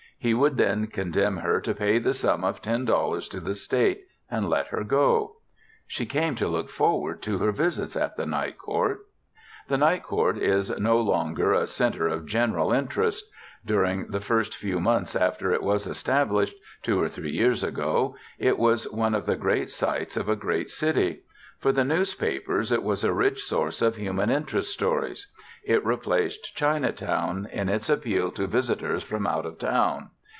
He would then condemn her to pay the sum of ten dollars to the State and let her go. She came to look forward to her visits at the Night Court. The Night Court is no longer a center of general interest. During the first few months after it was established, two or three years ago, it was one of the great sights of a great city. For the newspapers it was a rich source of human interest stories. It replaced Chinatown in its appeal to visitors from out of town.